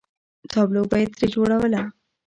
تابلو به یې ترې جوړوله.